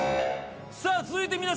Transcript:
さあ続いて。